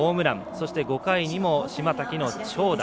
そして、５回にも島瀧の長打。